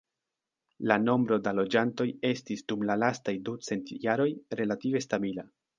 La nombro da loĝantoj estis dum la lastaj ducent jaroj relative stabila.